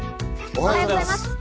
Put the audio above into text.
おはようございます。